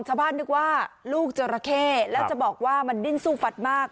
ชาวบ้านนึกว่าลูกจราเข้แล้วจะบอกว่ามันดิ้นสู้ฟัดมาก